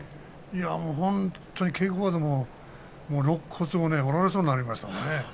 本当に稽古場でもろっ骨折られそうになりましたよね。